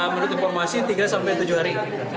menurut informasi tiga sampai tujuh hari